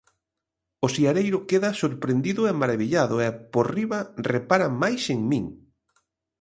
O siareiro queda sorprendido e marabillado e, por riba, repara máis en min.